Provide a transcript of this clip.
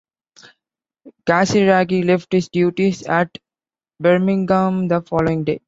Casiraghi left his duties at Birmingham the following day.